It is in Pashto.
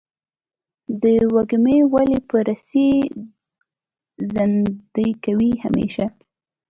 دا وږمې ولې په رسۍ زندۍ کوې همیشه؟